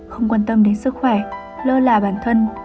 không quan tâm đến sức khỏe lơ là bản thân